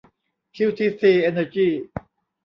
คิวทีซี เอนเนอร์ยี่